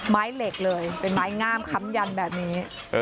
เหล็กเลยเป็นไม้งามค้ำยันแบบนี้